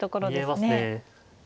見えますね。